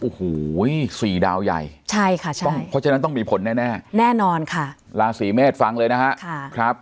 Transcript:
โอ้โหสี่ดาวใหญ่ใช่ค่ะใช่เพราะฉะนั้นต้องมีผลแน่แน่นอนค่ะราศีเมษฟังเลยนะครับ